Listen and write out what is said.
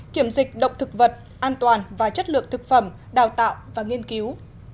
kiểm dịch động thực vật an toàn và chất lượng thực phẩm đào tạo và nghiên cứu